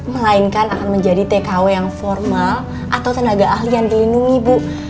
melainkan akan menjadi tkw yang formal atau tenaga ahli yang dilindungi bu